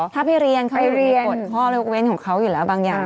ถ้าไปเรียนเขาไปเรียนกฎข้อยกเว้นของเขาอยู่แล้วบางอย่าง